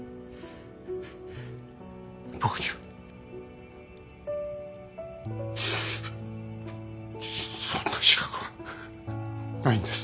僕にはそんな資格はないんです。